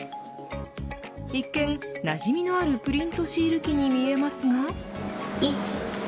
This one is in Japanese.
一見なじみのあるプリントシール機に見えますが。